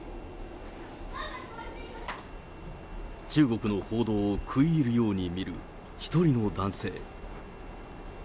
中国の報道を食い入るように見る、一人の男性。